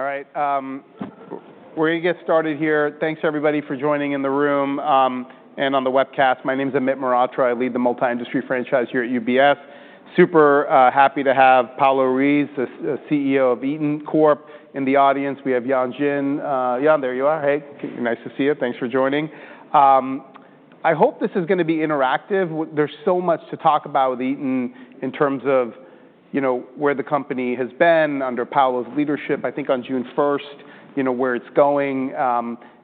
All right. We're going to get started here. Thanks, everybody, for joining in the room, and on the webcast. My name's Amit Mehrotra. I lead the Multi-Industry Franchise here at UBS. Super, happy to have Paulo Ruiz, the CEO of Eaton, in the audience. We have Yan Jin. Yan, there you are. Hey, nice to see you. Thanks for joining. I hope this is going to be interactive. There's so much to talk about with Eaton in terms of, you know, where the company has been under Paulo's leadership. I think on June 1, you know, where it's going,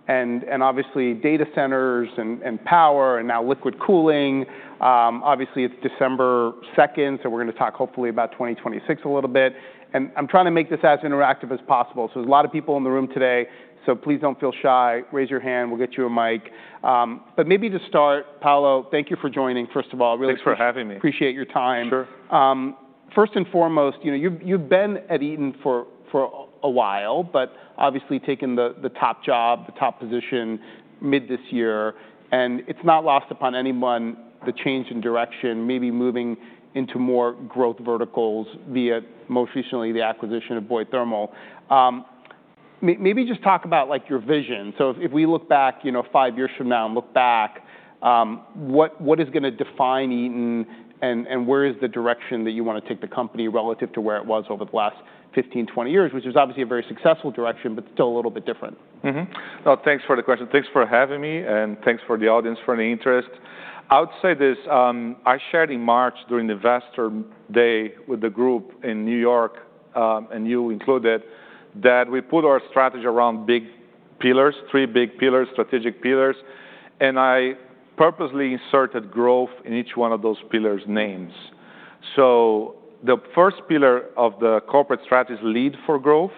and, obviously data centers and, and power and now liquid cooling. Obviously it's December 2, so we're going to talk hopefully about 2026 a little bit. I'm trying to make this as interactive as possible. There are a lot of people in the room today, so please do not feel shy. Raise your hand. We will get you a mic. Maybe to start, Paulo, thank you for joining, first of all. Thanks for having me. Appreciate your time. Sure. First and foremost, you know, you've been at Eaton for a while, but obviously taken the top job, the top position mid this year. It's not lost upon anyone the change in direction, maybe moving into more growth verticals via, most recently, the acquisition of Boyd Thermal. Maybe just talk about, like, your vision. If we look back, you know, five years from now and look back, what is going to define Eaton and where is the direction that you want to take the company relative to where it was over the last 15, 20 years, which is obviously a very successful direction, but still a little bit different. Mm-hmm. No, thanks for the question. Thanks for having me, and thanks for the audience for the interest. I would say this, I shared in March during the investor day with the group in New York, and you included that we put our strategy around big pillars, three big pillars, strategic pillars, and I purposely inserted growth in each one of those pillars' names. The first pillar of the corporate strategy is lead for growth.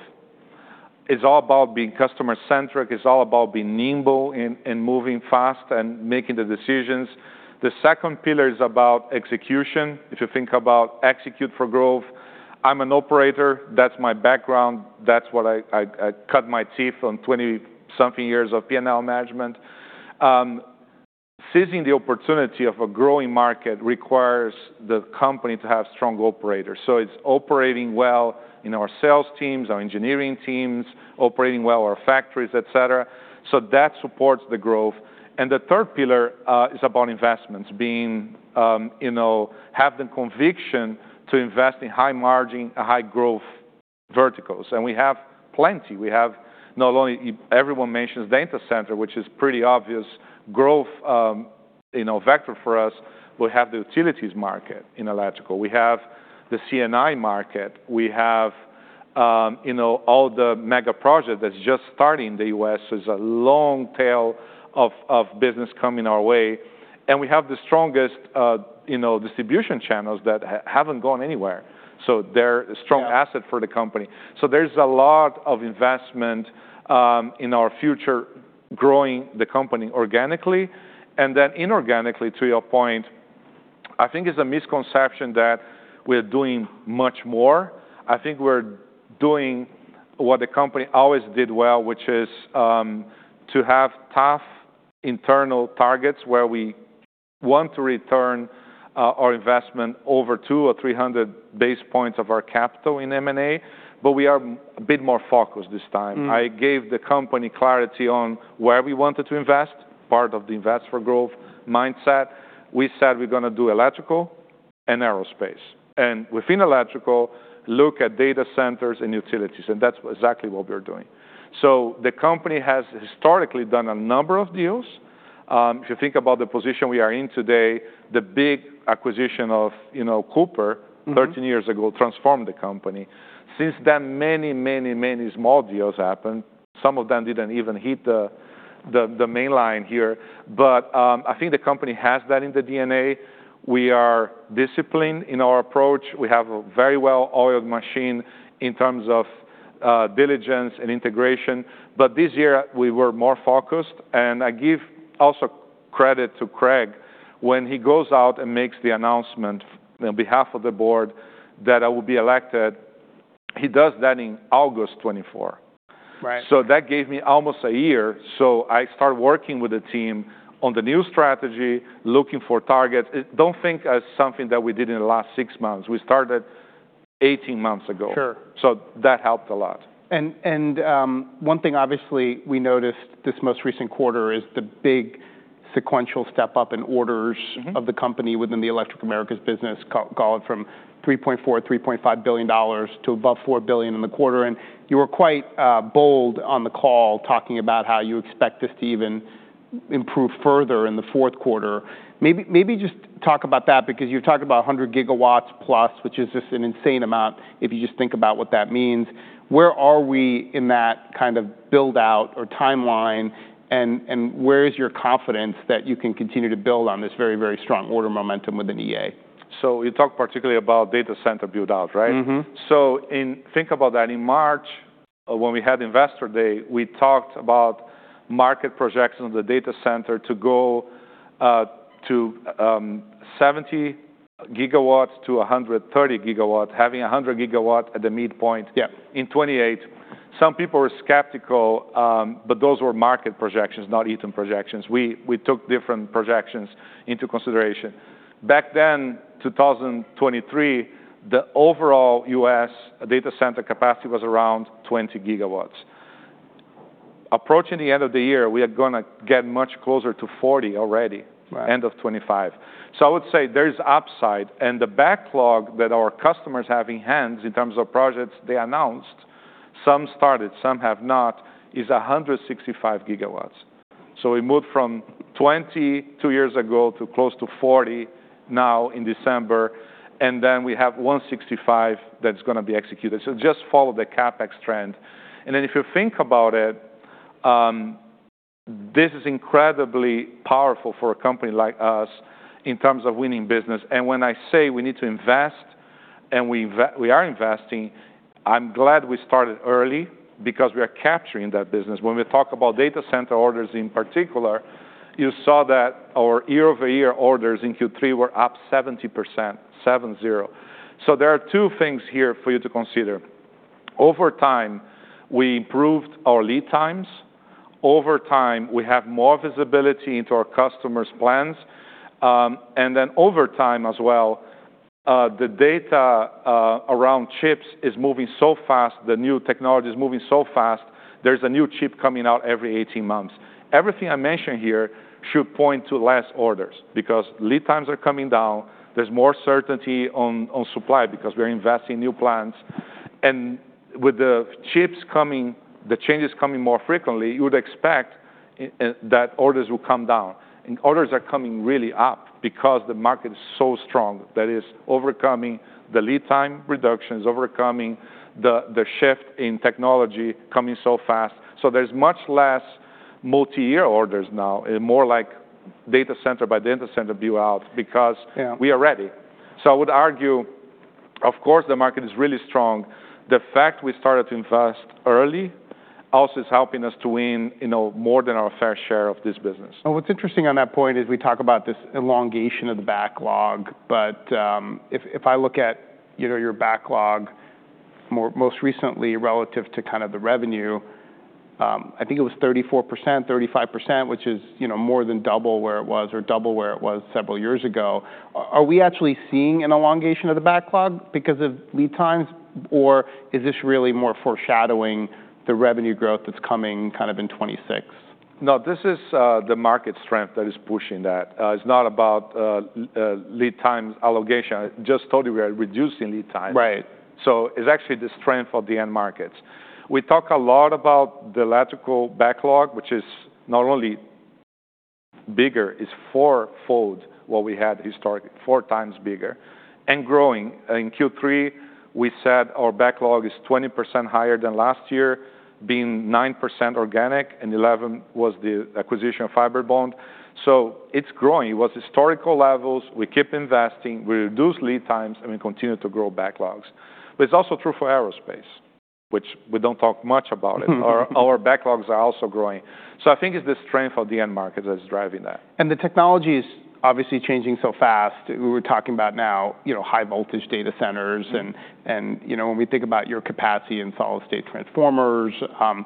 It's all about being customer-centric. It's all about being nimble and moving fast and making the decisions. The second pillar is about execution. If you think about execute for growth, I'm an operator. That's my background. That's what I cut my teeth on, 20-something years of P&L management. Seizing the opportunity of a growing market requires the company to have strong operators. It's operating well in our sales teams, our engineering teams, operating well our factories, etc. That supports the growth. The third pillar is about investments, being, you know, having the conviction to invest in high-margin, high-growth verticals. We have plenty. Not only everyone mentions data center, which is a pretty obvious growth, you know, vector for us. We have the utilities market in electrical. We have the CNI market. We have, you know, all the mega projects that are just starting in the U.S. It's a long tail of business coming our way. We have the strongest, you know, distribution channels that haven't gone anywhere. They're a strong asset for the company. There's a lot of investment in our future, growing the company organically and then inorganically, to your point. I think it's a misconception that we're doing much more. I think we're doing what the company always did well, which is, to have tough internal targets where we want to return our investment over 200 or 300 basis points of our capital in M&A, but we are a bit more focused this time. I gave the company clarity on where we wanted to invest. Part of the invest for growth mindset. We said we're going to do electrical and aerospace. Within electrical, look at data centers and utilities. That is exactly what we're doing. The company has historically done a number of deals. If you think about the position we are in today, the big acquisition of, you know, Cooper 13 years ago transformed the company. Since then, many, many, many small deals happened. Some of them did not even hit the main line here. I think the company has that in the DNA. We are disciplined in our approach. We have a very well-oiled machine in terms of diligence and integration. This year, we were more focused. I give also credit to Craig when he goes out and makes the announcement on behalf of the board that I will be elected. He does that in August 2024. Right. That gave me almost a year. I started working with the team on the new strategy, looking for targets. Don't think as something that we did in the last six months. We started 18 months ago. Sure. That helped a lot. One thing obviously we noticed this most recent quarter is the big sequential step up in orders of the company within the Electric America's business, call it from $3.4 billion, $3.5 billion to above $4 billion in the quarter. You were quite bold on the call talking about how you expect this to even improve further in the fourth quarter. Maybe just talk about that because you're talking about 100 gigawatts plus, which is just an insane amount if you just think about what that means. Where are we in that kind of build-out or timeline? Where is your confidence that you can continue to build on this very, very strong order momentum within EA? You talk particularly about data center build-out, right? In think about that. In March, when we had Investor Day, we talked about market projections of the data center to go to 70 gigawatts to 130 gigawatts, having 100 gigawatts at the midpoint. Yeah. In 2028. Some people were skeptical, but those were market projections, not Eaton projections. We took different projections into consideration. Back then, 2023, the overall U.S. data center capacity was around 20 gigawatts. Approaching the end of the year, we are going to get much closer to 40 already. Right. End of 2025. I would say there's upside. The backlog that our customers have in hand in terms of projects they announced, some started, some have not, is 165 gigawatts. We moved from 20 two years ago to close to 40 now in December. We have 165 that's going to be executed. Just follow the CapEx trend. If you think about it, this is incredibly powerful for a company like us in terms of winning business. When I say we need to invest and we invest, we are investing, I'm glad we started early because we are capturing that business. When we talk about data center orders in particular, you saw that our year-over-year orders in Q3 were up 70%. Seven-zero. There are two things here for you to consider. Over time, we improved our lead times. Over time, we have more visibility into our customers' plans. Over time as well, the data around chips is moving so fast. The new technology is moving so fast. There's a new chip coming out every 18 months. Everything I mentioned here should point to less orders because lead times are coming down. There's more certainty on supply because we're investing in new plants. With the chips coming, the changes coming more frequently, you would expect that orders will come down. Orders are coming really up because the market is so strong that it's overcoming the lead time reductions, overcoming the shift in technology coming so fast. There's much less multi-year orders now and more like data center by data center build-out because. Yeah. We are ready. I would argue, of course, the market is really strong. The fact we started to invest early also is helping us to win, you know, more than our fair share of this business. What's interesting on that point is we talk about this elongation of the backlog, but if I look at, you know, your backlog most recently relative to kind of the revenue, I think it was 34%, 35%, which is, you know, more than double where it was or double where it was several years ago. Are we actually seeing an elongation of the backlog because of lead times, or is this really more foreshadowing the revenue growth that's coming kind of in 2026? No, this is, the market strength that is pushing that. It's not about lead times allocation. I just told you we are reducing lead times. Right. It's actually the strength of the end markets. We talk a lot about the electrical backlog, which is not only bigger, it's four-fold what we had historically, four times bigger and growing. In Q3, we said our backlog is 20% higher than last year, being 9% organic and 11% was the acquisition of FiberBond. It's growing. It was historical levels. We keep investing. We reduce lead times and we continue to grow backlogs. It's also true for aerospace, which we don't talk much about. Our backlogs are also growing. I think it's the strength of the end markets that's driving that. The technology is obviously changing so fast. We were talking about now, you know, high-voltage data centers and, you know, when we think about your capacity in solid-state transformers, you know,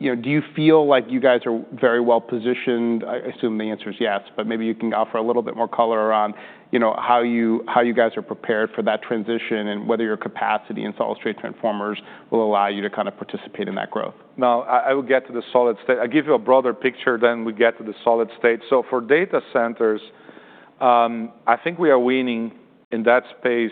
do you feel like you guys are very well positioned? I assume the answer is yes, but maybe you can offer a little bit more color around, you know, how you, how you guys are prepared for that transition and whether your capacity in solid-state transformers will allow you to kind of participate in that growth. No, I will get to the solid-state. I'll give you a broader picture. We get to the solid-state. For data centers, I think we are winning in that space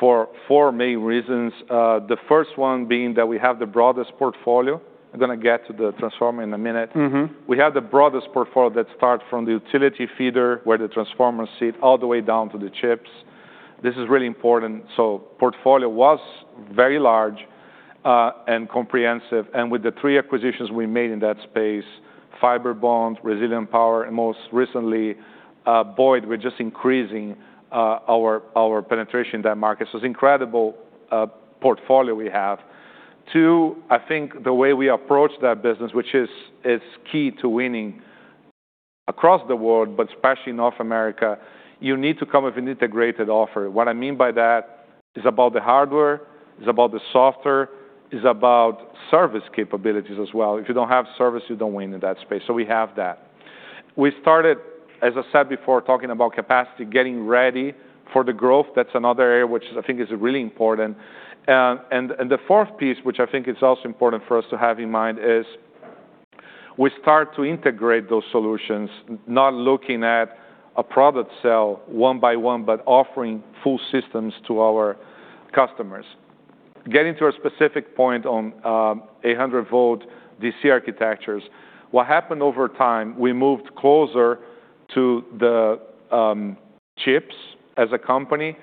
for many reasons. The first one being that we have the broadest portfolio. I'm going to get to the transformer in a minute. We have the broadest portfolio that starts from the utility feeder where the transformers sit all the way down to the chips. This is really important. The portfolio is very large and comprehensive. With the three acquisitions we made in that space, FiberBond, Resilient Power, and most recently, Boyd, we're just increasing our penetration in that market. It is an incredible portfolio we have. Two, I think the way we approach that business, which is key to winning across the world, but especially in North America, you need to come up with an integrated offer. What I mean by that is about the hardware, about the software, about service capabilities as well. If you do not have service, you do not win in that space. We have that. We started, as I said before, talking about capacity, getting ready for the growth. That's another area, which I think is really important. The fourth piece, which I think is also important for us to have in mind, is we start to integrate those solutions, not looking at a product sell one by one, but offering full systems to our customers. Getting to a specific point on 800-volt DC architectures. What happened over time, we moved closer to the chips as a company,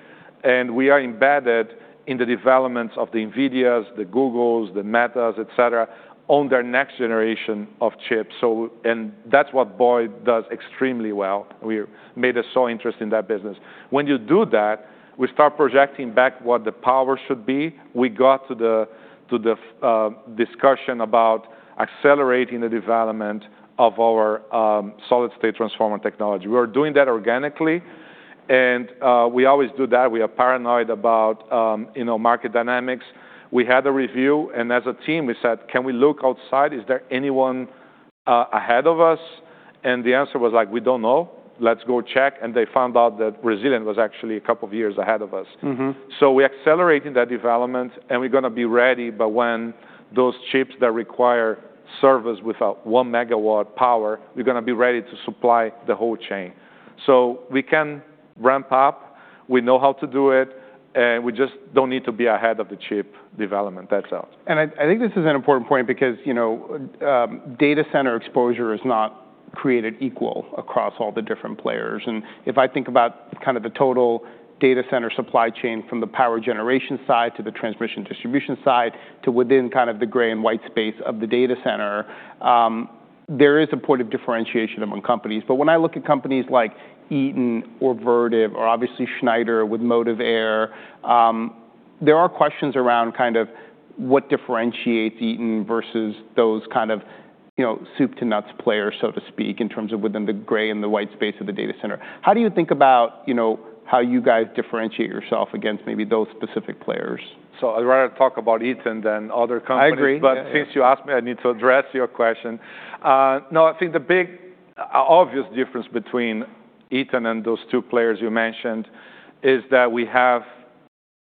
and we are embedded in the developments of the NVIDIAs, the Googles, the Metas, etc., on their next generation of chips. That's what Boyd does extremely well. We made us so interested in that business. When you do that, we start projecting back what the power should be. We got to the discussion about accelerating the development of our solid-state transformer technology. We were doing that organically. We always do that. We are paranoid about, you know, market dynamics. We had a review, and as a team, we said, "Can we look outside? Is there anyone, ahead of us?" The answer was like, "We don't know. Let's go check." They found out that Resilient was actually a couple of years ahead of us. We're accelerating that development, and we're going to be ready by when those chips that require service with a one-megawatt power, we're going to be ready to supply the whole chain. We can ramp up. We know how to do it, and we just don't need to be ahead of the chip development. That's all. I think this is an important point because, you know, data center exposure is not created equal across all the different players. If I think about kind of the total data center supply chain from the power generation side to the transmission distribution side to within kind of the gray and white space of the data center, there is a point of differentiation among companies. When I look at companies like Eaton or Vertiv or obviously Schneider with Motive Air, there are questions around kind of what differentiates Eaton versus those kind of, you know, soup-to-nuts players, so to speak, in terms of within the gray and the white space of the data center. How do you think about, you know, how you guys differentiate yourself against maybe those specific players? I'd rather talk about Eaton than other companies. I agree. Since you asked me, I need to address your question. No, I think the big, obvious difference between Eaton and those two players you mentioned is that we have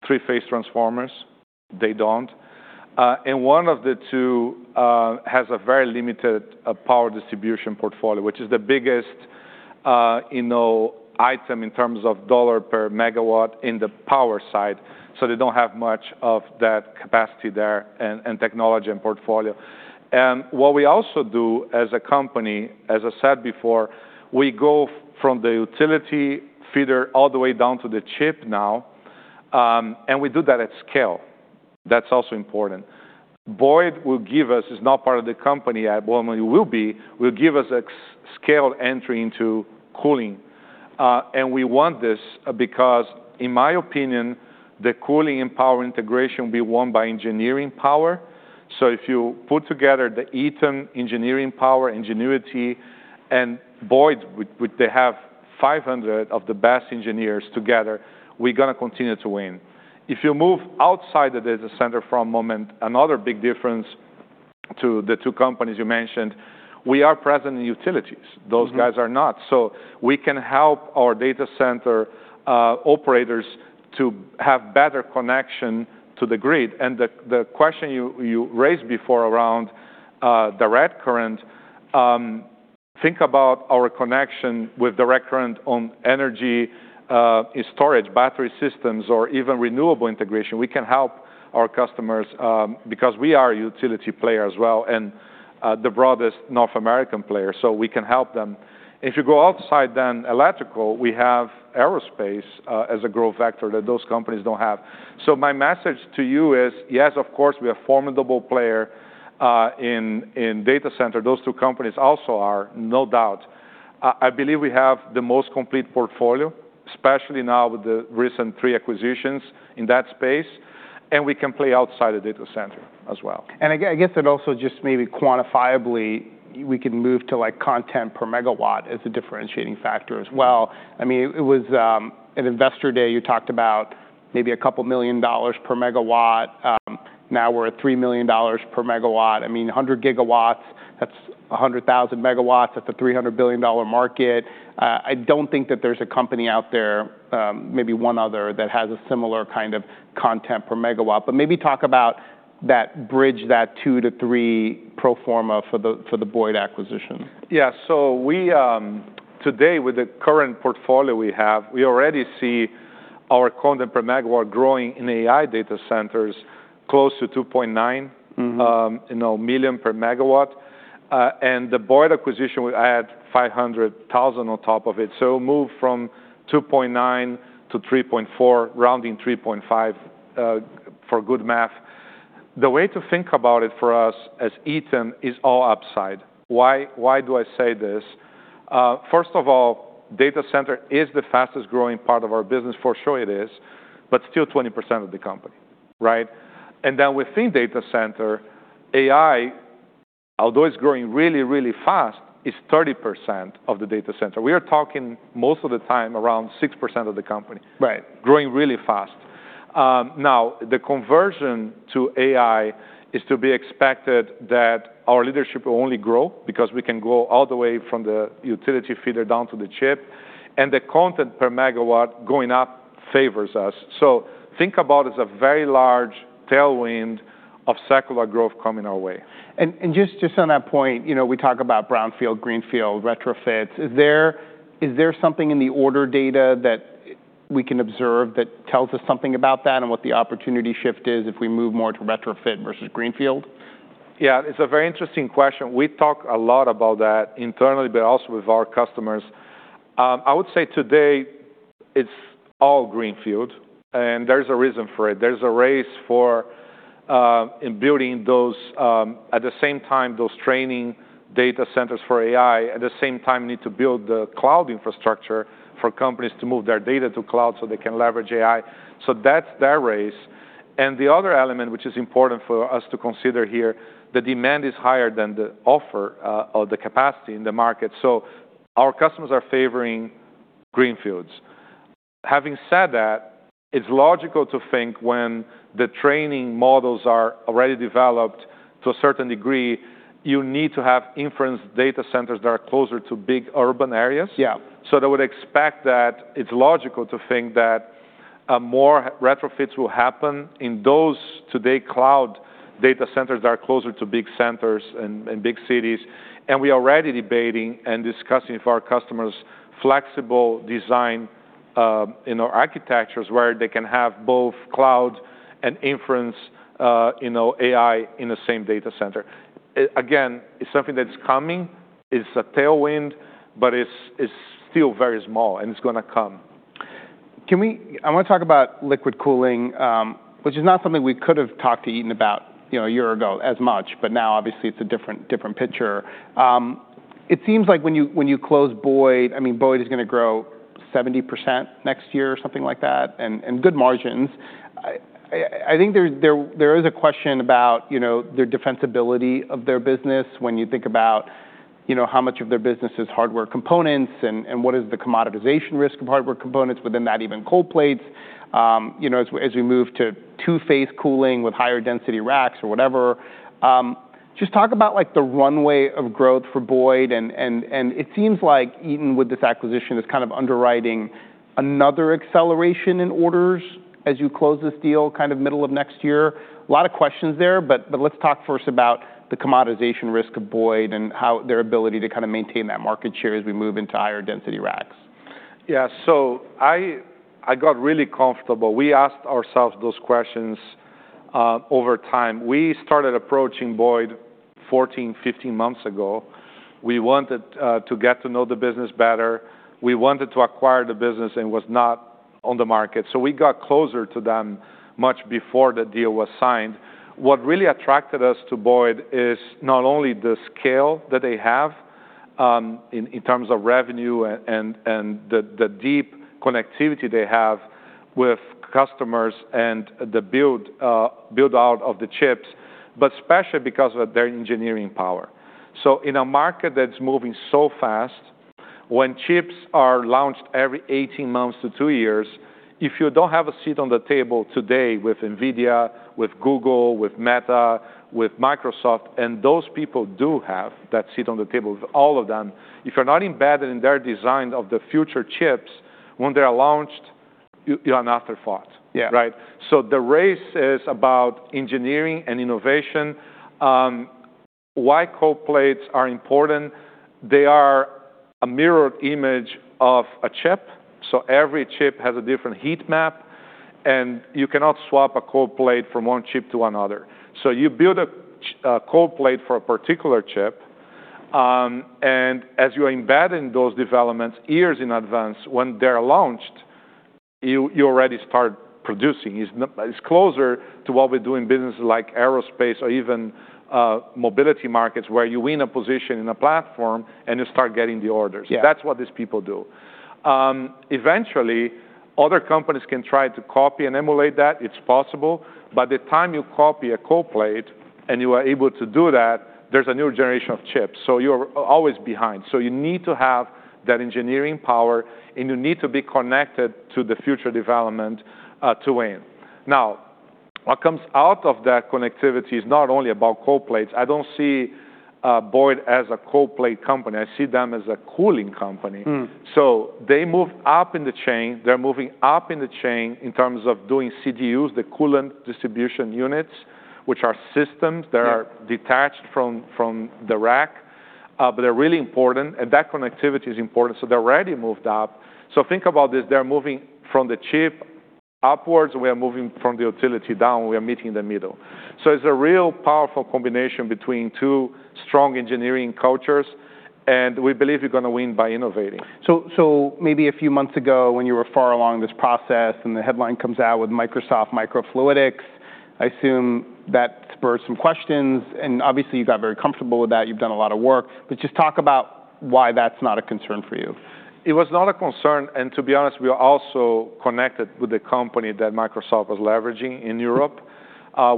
three-phase transformers. They do not. One of the two has a very limited power distribution portfolio, which is the biggest, you know, item in terms of dollar per megawatt in the power side. They do not have much of that capacity there and technology and portfolio. What we also do as a company, as I said before, we go from the utility feeder all the way down to the chip now, and we do that at scale. That is also important. Boyd will give us, is not part of the company at one moment, it will be, will give us a scale entry into cooling. We want this because, in my opinion, the cooling and power integration will be won by engineering power. If you put together the Eaton engineering power, ingenuity, and Boyd, which they have 500 of the best engineers together, we're going to continue to win. If you move outside the data center for a moment, another big difference to the two companies you mentioned, we are present in utilities. Those guys are not. We can help our data center operators to have better connection to the grid. The question you raised before around direct current, think about our connection with direct current on energy, in storage, battery systems, or even renewable integration. We can help our customers because we are a utility player as well and the broadest North American player. We can help them. If you go outside the electrical, we have aerospace as a growth vector that those companies do not have. My message to you is, yes, of course, we are a formidable player in data center. Those two companies also are, no doubt. I believe we have the most complete portfolio, especially now with the recent three acquisitions in that space. We can play outside of data center as well. I guess it also just maybe quantifiably, we can move to like content per megawatt as a differentiating factor as well. I mean, it was, at Investor Day, you talked about maybe a couple million dollars per megawatt. Now we're at $3 million per megawatt. I mean, 100 gigawatts, that's 100,000 megawatts at the $300 billion market. I don't think that there's a company out there, maybe one other that has a similar kind of content per megawatt. Maybe talk about that bridge, that two to three pro forma for the, for the Boyd acquisition. Yeah. So we, today with the current portfolio we have, we already see our content per megawatt growing in AI data centers close to 2.9. You know, million per megawatt. The Boyd acquisition, we add $500,000 on top of it. Move from $2.9 million to $3.4 million, rounding $3.5 million, for good math. The way to think about it for us as Eaton is all upside. Why do I say this? First of all, data center is the fastest growing part of our business. For sure it is, but still 20% of the company, right? Within data center, AI, although it is growing really, really fast, is 30% of the data center. We are talking most of the time around 6% of the company. Right. Growing really fast. Now the conversion to AI is to be expected that our leadership will only grow because we can go all the way from the utility feeder down to the chip. And the content per megawatt going up favors us. Think about it as a very large tailwind of secular growth coming our way. Just on that point, you know, we talk about brownfield, greenfield, retrofits. Is there something in the order data that we can observe that tells us something about that and what the opportunity shift is if we move more to retrofit versus greenfield? Yeah, it's a very interesting question. We talk a lot about that internally, but also with our customers. I would say today it's all greenfield, and there's a reason for it. There's a race for, in building those, at the same time, those training data centers for AI, at the same time need to build the cloud infrastructure for companies to move their data to cloud so they can leverage AI. That's their race. The other element, which is important for us to consider here, the demand is higher than the offer, or the capacity in the market. Our customers are favoring greenfields. Having said that, it's logical to think when the training models are already developed to a certain degree, you need to have inference data centers that are closer to big urban areas. Yeah. I would expect that it's logical to think that more retrofits will happen in those today cloud data centers that are closer to big centers and big cities. We are already debating and discussing for our customers flexible design, you know, architectures where they can have both cloud and inference, you know, AI in the same data center. Again, it's something that's coming. It's a tailwind, but it's still very small and it's going to come. Can we, I want to talk about liquid cooling, which is not something we could have talked to Eaton about, you know, a year ago as much, but now obviously it's a different, different picture. It seems like when you, when you close Boyd, I mean, Boyd is going to grow 70% next year or something like that and, and good margins. I think there, there is a question about, you know, their defensibility of their business when you think about, you know, how much of their business is hardware components and, and what is the commoditization risk of hardware components within that, even cold plates, you know, as we, as we move to two-phase cooling with higher density racks or whatever. Just talk about like the runway of growth for Boyd. It seems like Eaton with this acquisition is kind of underwriting another acceleration in orders as you close this deal, kind of middle of next year. A lot of questions there, but let's talk first about the commoditization risk of Boyd and how their ability to kind of maintain that market share as we move into higher density racks. Yeah. I got really comfortable. We asked ourselves those questions over time. We started approaching Boyd 14-15 months ago. We wanted to get to know the business better. We wanted to acquire the business and it was not on the market. We got closer to them much before the deal was signed. What really attracted us to Boyd is not only the scale that they have in terms of revenue and the deep connectivity they have with customers and the build out of the chips, but especially because of their engineering power. In a market that's moving so fast, when chips are launched every 18 months to two years, if you don't have a seat on the table today with NVIDIA, with Google, with Meta, with Microsoft, and those people do have that seat on the table with all of them, if you're not embedded in their design of the future chips, when they're launched, you're an afterthought. Yeah. Right? The race is about engineering and innovation. Why are cold plates important? They are a mirrored image of a chip. Every chip has a different heat map, and you cannot swap a cold plate from one chip to another. You build a cold plate for a particular chip. As you're embedding those developments years in advance, when they're launched, you already start producing. It's closer to what we do in business like aerospace or even mobility markets where you win a position in a platform and you start getting the orders. Yeah. That's what these people do. Eventually other companies can try to copy and emulate that. It's possible. By the time you copy a cold plate and you are able to do that, there's a new generation of chips. So you're always behind. You need to have that engineering power, and you need to be connected to the future development, to win. Now, what comes out of that connectivity is not only about cold plates. I don't see Boyd as a cold plate company. I see them as a cooling company. They move up in the chain. They're moving up in the chain in terms of doing CDUs, the coolant distribution units, which are systems that are detached from the rack. They're really important, and that connectivity is important. They're already moved up. Think about this. They're moving from the chip upwards. We are moving from the utility down. We are meeting in the middle. It's a real powerful combination between two strong engineering cultures. We believe you're going to win by innovating. Maybe a few months ago when you were far along this process and the headline comes out with Microsoft Microfluidics, I assume that spurred some questions. Obviously you got very comfortable with that. You've done a lot of work. Just talk about why that's not a concern for you. It was not a concern. To be honest, we were also connected with the company that Microsoft was leveraging in Europe.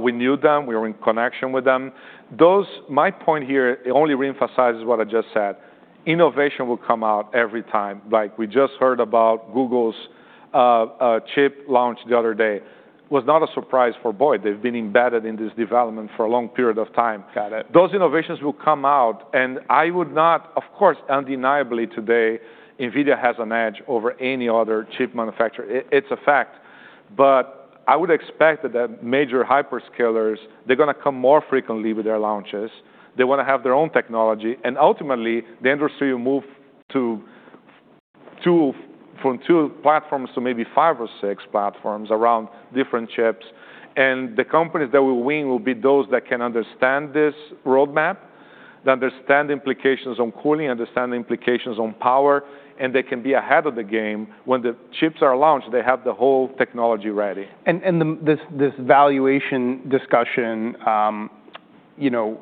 We knew them. We were in connection with them. My point here, it only reemphasizes what I just said. Innovation will come out every time. Like we just heard about Google's chip launch the other day. It was not a surprise for Boyd. They've been embedded in this development for a long period of time. Got it. Those innovations will come out. I would not, of course, undeniably today, NVIDIA has an edge over any other chip manufacturer. It's a fact. I would expect that major hyperscalers, they're going to come more frequently with their launches. They want to have their own technology. Ultimately the industry will move to, from two platforms to maybe five or six platforms around different chips. The companies that will win will be those that can understand this roadmap, that understand the implications on cooling, understand the implications on power, and they can be ahead of the game when the chips are launched. They have the whole technology ready. The, this valuation discussion, you know,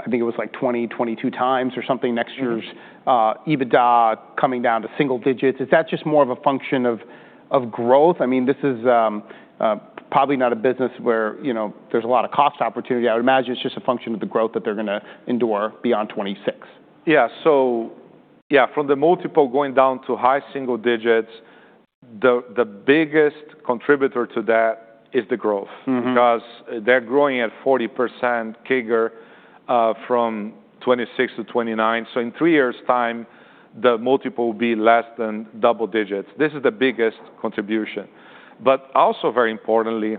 I think it was like 20, 22 times or something next year's EBITDA coming down to single digits. Is that just more of a function of growth? I mean, this is probably not a business where, you know, there's a lot of cost opportunity. I would imagine it's just a function of the growth that they're going to endure beyond 2026. Yeah. Yeah, from the multiple going down to high single digits, the biggest contributor to that is the growth. Because they're growing at 40% CAGR, from 2026 to 2029. In three years' time, the multiple will be less than double digits. This is the biggest contribution. Also, very importantly,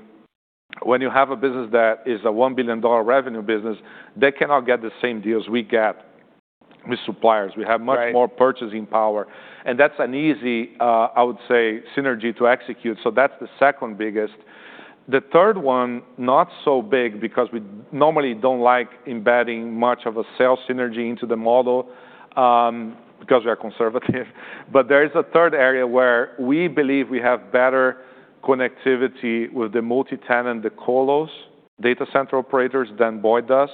when you have a business that is a $1 billion revenue business, they cannot get the same deals we get with suppliers. We have much more purchasing power. That's an easy, I would say, synergy to execute. That's the second biggest. The third one, not so big because we normally don't like embedding much of a sales synergy into the model, because we are conservative. There is a third area where we believe we have better connectivity with the multi-tenant, the colos, data center operators than Boyd does.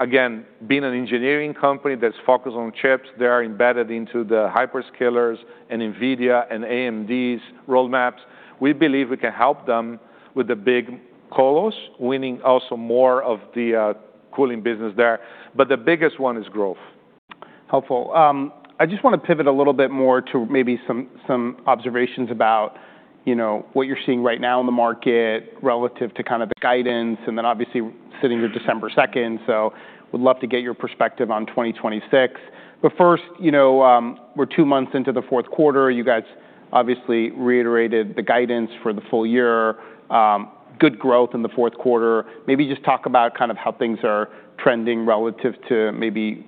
Again, being an engineering company that's focused on chips, they are embedded into the hyperscalers and NVIDIA and AMD's roadmaps. We believe we can help them with the big colos, winning also more of the cooling business there. The biggest one is growth. Helpful. I just want to pivot a little bit more to maybe some, some observations about, you know, what you're seeing right now in the market relative to kind of the guidance. And then obviously sitting here December 2nd, so would love to get your perspective on 2026. But first, you know, we're two months into the fourth quarter. You guys obviously reiterated the guidance for the full year. Good growth in the fourth quarter. Maybe just talk about kind of how things are trending relative to maybe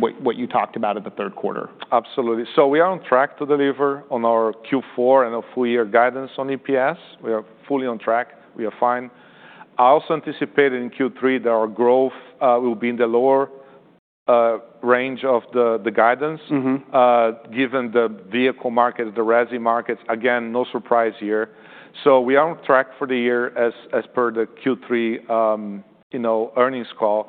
what, what you talked about at the third quarter. Absolutely. We are on track to deliver on our Q4 and our full year guidance on EPS. We are fully on track. We are fine. I also anticipated in Q3 that our growth will be in the lower range of the guidance Given the vehicle market, the resi markets, again, no surprise here. We are on track for the year as, as per the Q3, you know, earnings call.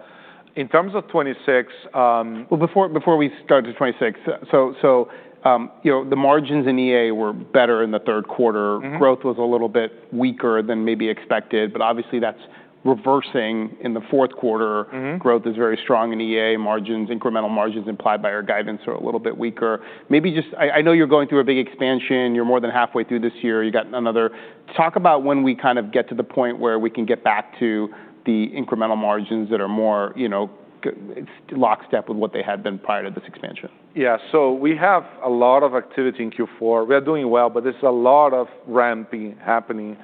In terms of '26, Before we started '26, you know, the margins in EA were better in the third quarter. Growth was a little bit weaker than maybe expected, but obviously that's reversing in the fourth quarter. Growth is very strong in EA. Margins, incremental margins implied by our guidance are a little bit weaker. Maybe just, I know you're going through a big expansion. You're more than halfway through this year. You got another. Talk about when we kind of get to the point where we can get back to the incremental margins that are more, you know, lock step with what they had been prior to this expansion. Yeah. We have a lot of activity in Q4. We are doing well, but there's a lot of ramping happening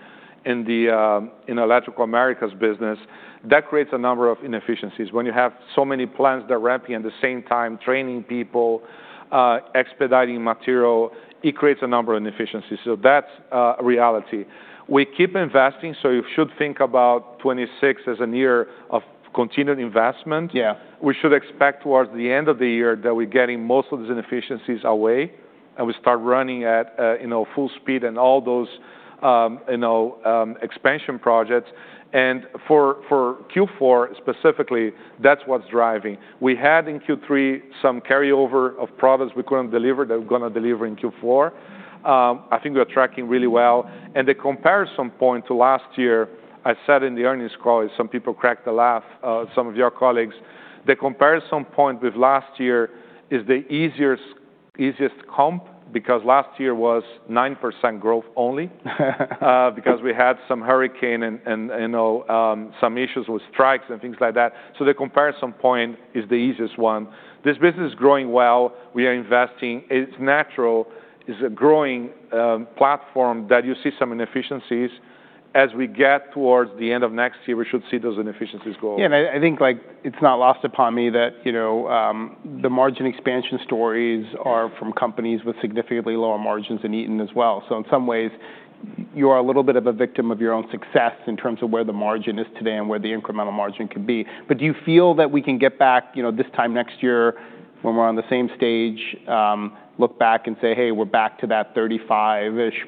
in the Electric Americas business. That creates a number of inefficiencies. When you have so many plants that are ramping at the same time, training people, expediting material, it creates a number of inefficiencies. That's a reality. We keep investing. You should think about 2026 as a year of continued investment. Yeah. We should expect towards the end of the year that we're getting most of these inefficiencies away and we start running at, you know, full speed and all those, you know, expansion projects. For Q4 specifically, that's what's driving. We had in Q3 some carryover of products we couldn't deliver that we're going to deliver in Q4. I think we are tracking really well. The comparison point to last year, I said in the earnings call, some people cracked a laugh, some of your colleagues. The comparison point with last year is the easiest, easiest comp because last year was 9% growth only, because we had some hurricane and, you know, some issues with strikes and things like that. The comparison point is the easiest one. This business is growing well. We are investing. It's natural. It's a growing platform that you see some inefficiencies. As we get towards the end of next year, we should see those inefficiencies go. Yeah. I think like it's not lost upon me that, you know, the margin expansion stories are from companies with significantly lower margins than Eaton as well. In some ways, you are a little bit of a victim of your own success in terms of where the margin is today and where the incremental margin could be. Do you feel that we can get back, you know, this time next year when we're on the same stage, look back and say, "Hey, we're back to that 35%‑ish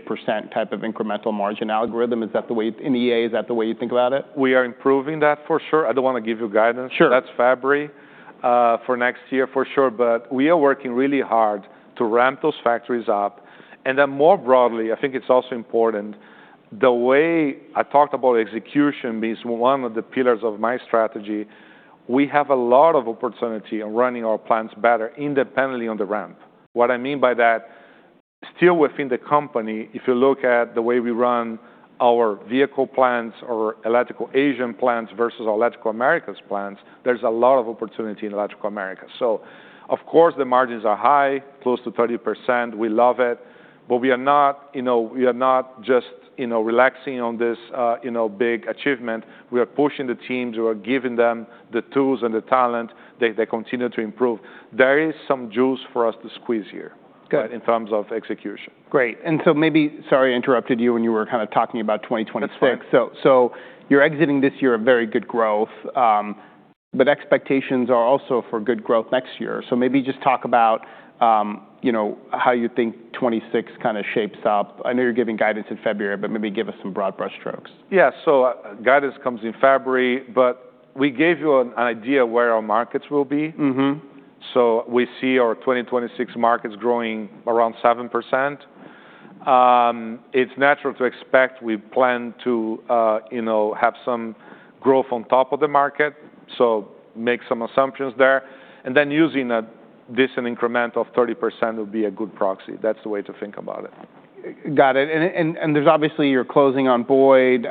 type of incremental margin algorithm"? Is that the way in EA? Is that the way you think about it? We are improving that for sure. I don't want to give you guidance. Sure. That's Fabry, for next year for sure. We are working really hard to ramp those factories up. More broadly, I think it's also important the way I talked about execution being one of the pillars of my strategy. We have a lot of opportunity in running our plants better independently on the ramp. What I mean by that, still within the company, if you look at the way we run our vehicle plants or Electric Asian plants versus our Electric Americas plants, there's a lot of opportunity in Electric Americas. Of course the margins are high, close to 30%. We love it. We are not, you know, we are not just, you know, relaxing on this, you know, big achievement. We are pushing the teams. We are giving them the tools and the talent. They continue to improve. There is some juice for us to squeeze here. Good. In terms of execution. Great. Sorry, I interrupted you when you were kind of talking about 2026. That's fine. You're exiting this year a very good growth. Expectations are also for good growth next year. Maybe just talk about, you know, how you think '26 kind of shapes up. I know you're giving guidance in February, but maybe give us some broad brush strokes. Yeah. Guidance comes in February, but we gave you an idea where our markets will be. We see our 2026 markets growing around 7%. It's natural to expect we plan to, you know, have some growth on top of the market. Make some assumptions there. Then using this, an increment of 30% would be a good proxy. That's the way to think about it. Got it. There is obviously you're closing on Boyd,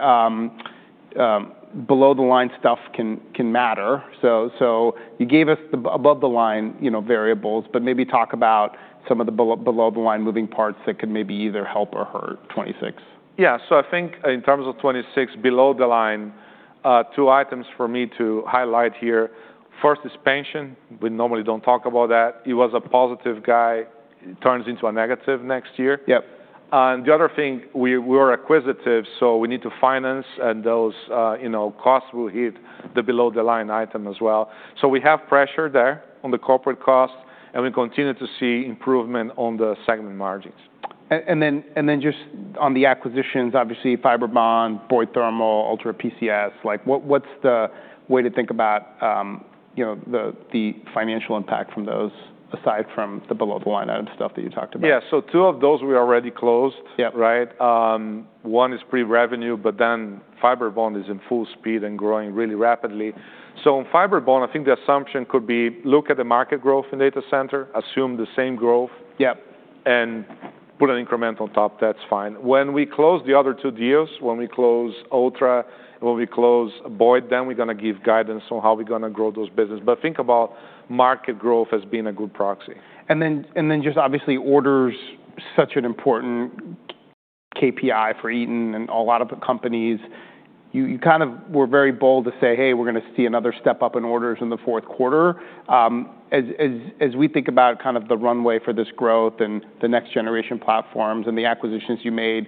below the line stuff can matter. You gave us the above the line, you know, variables, but maybe talk about some of the below the line moving parts that could maybe either help or hurt '26. Yeah. I think in terms of '26, below the line, two items for me to highlight here. First is pension. We normally do not talk about that. It was a positive guy. It turns into a negative next year. Yep. The other thing, we are acquisitive, so we need to finance and those, you know, costs will hit the below the line item as well. We have pressure there on the corporate cost, and we continue to see improvement on the segment margins. And then just on the acquisitions, obviously FiberBond, Boyd Thermal, Ultra PCS. Like what, what's the way to think about, you know, the financial impact from those aside from the below the line item stuff that you talked about? Yeah. Two of those we already closed. Yep. Right? One is pre-revenue, but then FiberBond is in full speed and growing really rapidly. So on FiberBond, I think the assumption could be look at the market growth in data center, assume the same growth. Yep. Put an increment on top. That is fine. When we close the other two deals, when we close Ultra, when we close Boyd, we are going to give guidance on how we are going to grow those businesses. Think about market growth as being a good proxy. Orders, such an important KPI for Eaton and a lot of companies. You kind of were very bold to say, "Hey, we're going to see another step up in orders in the fourth quarter." As we think about kind of the runway for this growth and the next generation platforms and the acquisitions you made,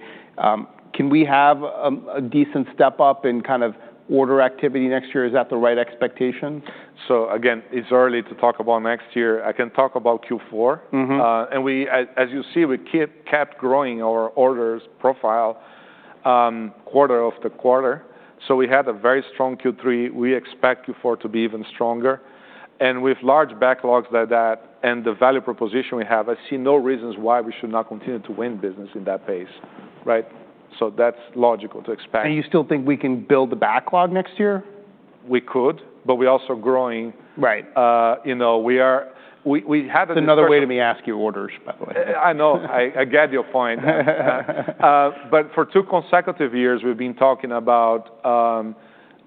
can we have a decent step up in kind of order activity next year? Is that the right expectation? Again, it's early to talk about next year. I can talk about Q4. As you see, we kept growing our orders profile, quarter after quarter. We had a very strong Q3. We expect Q4 to be even stronger. With large backlogs like that and the value proposition we have, I see no reasons why we should not continue to win business at that pace. Right? That is logical to expect. You still think we can build the backlog next year? We could, but we also are growing. Right. you know, we are, we have an. That's another way to me ask you orders, by the way. I know. I get your point. For two consecutive years, we've been talking about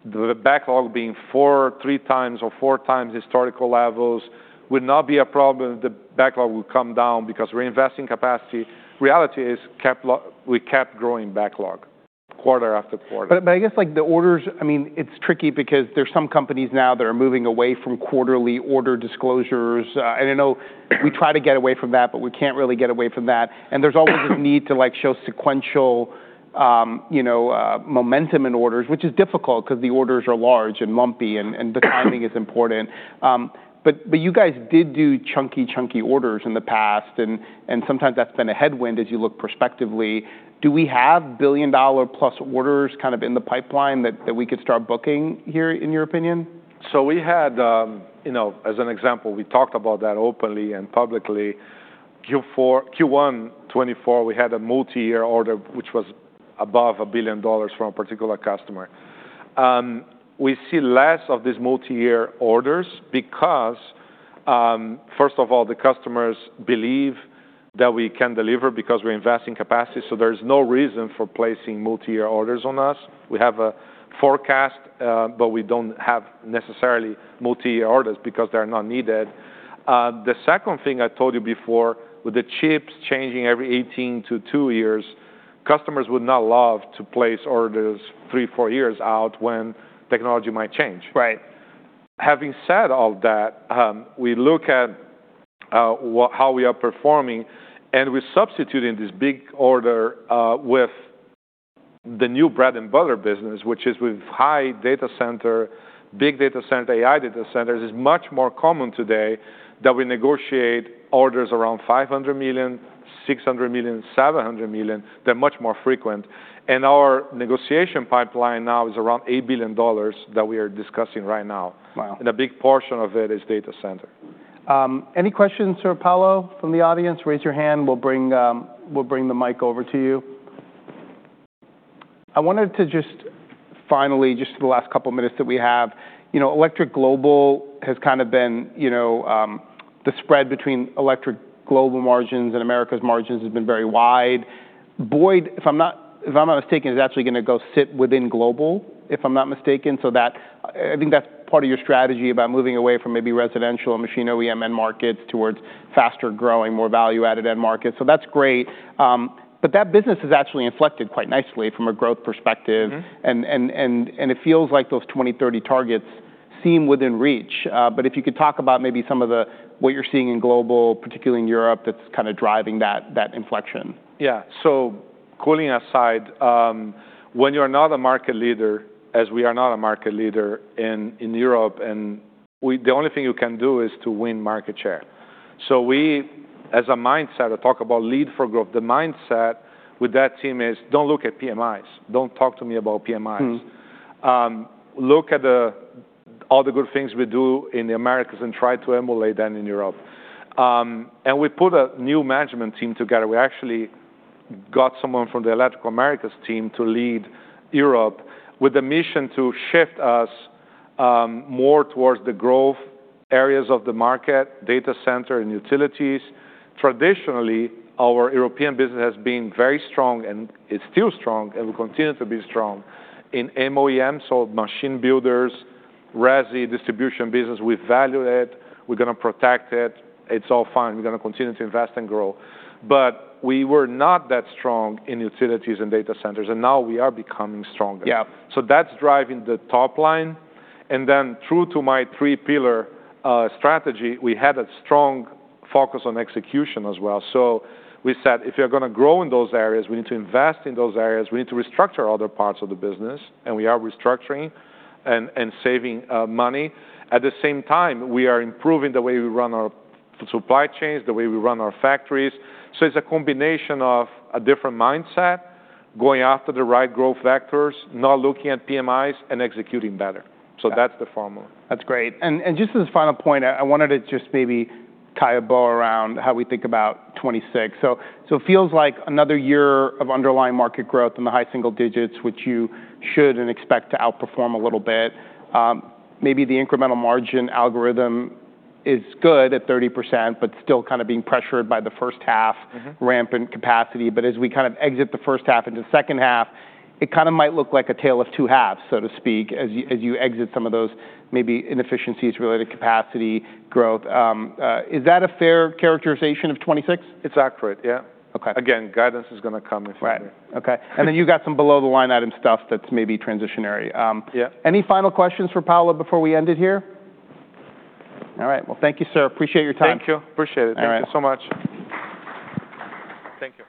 the backlog being three times or four times historical levels. Would not be a problem. The backlog will come down because we're investing capacity. Reality is, we kept growing backlog quarter after quarter. But I guess like the orders, I mean, it's tricky because there's some companies now that are moving away from quarterly order disclosures. I know we try to get away from that, but we can't really get away from that. There's always this need to like show sequential, you know, momentum in orders, which is difficult because the orders are large and lumpy and the timing is important. You guys did do chunky, chunky orders in the past, and sometimes that's been a headwind as you look prospectively. Do we have billion dollar plus orders kind of in the pipeline that we could start booking here in your opinion? We had, you know, as an example, we talked about that openly and publicly. Q4, Q1 2024, we had a multi-year order, which was above $1 billion from a particular customer. We see less of these multi-year orders because, first of all, the customers believe that we can deliver because we're investing capacity. So there's no reason for placing multi-year orders on us. We have a forecast, but we don't have necessarily multi-year orders because they're not needed. The second thing I told you before with the chips changing every 18 to 2 years, customers would not love to place orders three, four years out when technology might change. Right. Having said all that, we look at what, how we are performing and we're substituting this big order with the new bread and butter business, which is with high data center, big data center, AI data centers. It is much more common today that we negotiate orders around $500 million, $600 million, $700 million. They're much more frequent. And our negotiation pipeline now is around $8 billion that we are discussing right now. Wow. A big portion of it is data center. Any questions, Sir Paulo from the audience? Raise your hand. We'll bring, we'll bring the mic over to you. I wanted to just finally, just the last couple of minutes that we have, you know, Electric Global has kind of been, you know, the spread between Electric Global margins and America's margins has been very wide. Boyd, if I'm not, if I'm not mistaken, is actually going to go sit within Global, if I'm not mistaken. I think that's part of your strategy about moving away from maybe residential and machine OEM end markets towards faster growing, more value added end markets. That's great. That business has actually inflected quite nicely from a growth perspective. It feels like those 20, 30 targets seem within reach. If you could talk about maybe some of what you're seeing in Global, particularly in Europe, that's kind of driving that inflection. Yeah. Cooling aside, when you're not a market leader, as we are not a market leader in Europe, and we, the only thing you can do is to win market share. We, as a mindset, I talk about lead for growth. The mindset with that team is don't look at PMIs. Don't talk to me about PMIs. Look at the, all the good things we do in the Americas and try to emulate that in Europe. We put a new management team together. We actually got someone from the Electric Americas team to lead Europe with the mission to shift us more towards the growth areas of the market, data center and utilities. Traditionally, our European business has been very strong and it's still strong and will continue to be strong in MOEMs. So machine builders, RESI distribution business, we value it. We're going to protect it. It's all fine. We're going to continue to invest and grow. We were not that strong in utilities and data centers, and now we are becoming stronger. Yeah. That's driving the top line. True to my three pillar strategy, we had a strong focus on execution as well. We said if we are going to grow in those areas, we need to invest in those areas. We need to restructure other parts of the business, and we are restructuring and saving money. At the same time, we are improving the way we run our supply chains, the way we run our factories. It's a combination of a different mindset, going after the right growth vectors, not looking at PMIs and executing better. That's the formula. That's great. Just as a final point, I wanted to maybe tie a bow around how we think about '26. It feels like another year of underlying market growth in the high single digits, which you should and expect to outperform a little bit. Maybe the incremental margin algorithm is good at 30%, but still kind of being pressured by the first half. Ramp in capacity. As we kind of exit the first half into the second half, it kind of might look like a tale of two halves, so to speak, as you exit some of those maybe inefficiencies related to capacity growth. Is that a fair characterization of '26? It's accurate. Yeah. Okay. Again, guidance is going to come if needed. Right. Okay. You got some below the line item stuff that's maybe transitionary. Yeah. Any final questions for Paulo before we end it here? All right. Thank you, sir. Appreciate your time. Thank you. Appreciate it. All right. Thank you so much. Thank you.